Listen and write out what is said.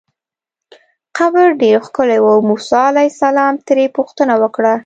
قبر ډېر ښکلی و، موسی علیه السلام ترې پوښتنه وکړه.